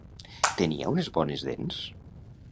Tenia unes bones dents?